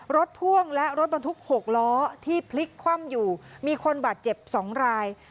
พ่วงและรถบรรทุก๖ล้อที่พลิกคว่ำอยู่มีคนบาดเจ็บ๒ราย